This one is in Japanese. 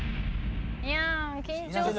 いやん緊張する。